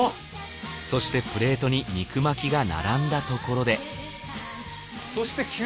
そしてプレートに肉巻きが並んだところではい。